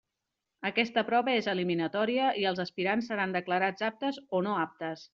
Aquesta prova és eliminatòria i els aspirants seran declarats aptes o no aptes.